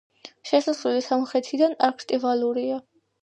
შესასვლელი სამხრეთიდან არქიტრავულია.